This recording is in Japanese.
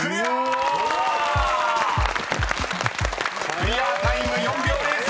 ［クリアタイム４秒０３］